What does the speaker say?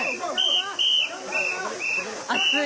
熱い。